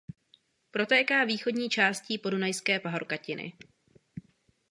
Protéká východní částí Podunajské pahorkatiny.